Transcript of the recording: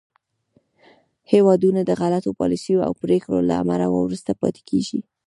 هېوادونه د غلطو پالیسیو او پرېکړو له امله وروسته پاتې کېږي